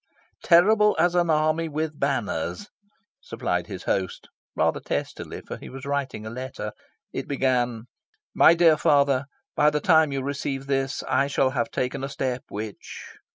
'" "'Terrible as an army with banners,'" supplied his host rather testily, for he was writing a letter. It began "My dear Father. By the time you receive this I shall have taken a step which..."